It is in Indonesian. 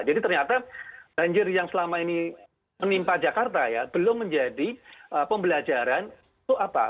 jadi ternyata banjir yang selama ini menimpa jakarta ya belum menjadi pembelajaran untuk apa